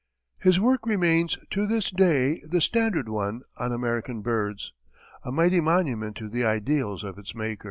His work remains to this day the standard one on American birds a mighty monument to the ideals of its maker.